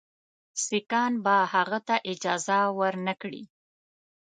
سیکهان به هغه ته اجازه ورنه کړي.